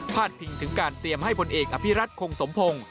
ดพิงถึงการเตรียมให้ผลเอกอภิรัตคงสมพงศ์